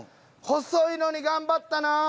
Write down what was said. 細いのに頑張ったなあ。